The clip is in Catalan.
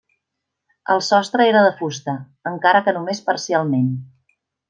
El sostre era de fusta, encara que només parcialment.